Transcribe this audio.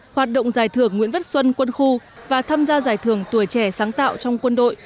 hoạt động giải thưởng nguyễn viết xuân quân khu và tham gia giải thưởng tuổi trẻ sáng tạo trong quân đội